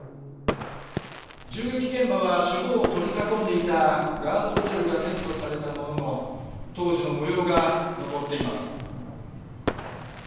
銃撃現場は四方を取り囲んでいたガードレールが撤去されたものの、当時のもようが残っています。